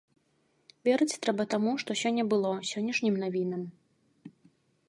Верыць трэба таму, што сёння было, сённяшнім навінам.